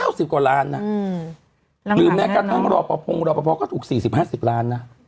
เก้าสิบกว่าร้านน่ะหรือแม้กระทั่งรอปภงรอปภงก็ถูกสี่สิบห้าสิบร้านน่ะ